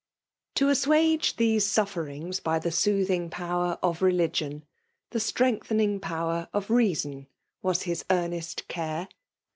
' To assuage these sufferings by the soothing pdwer of religion* — the strengthening power of reason, — was his earnest care.